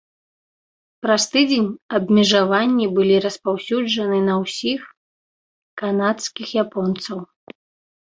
Праз тыдзень абмежаванні былі распаўсюджаны на ўсіх канадскіх японцаў.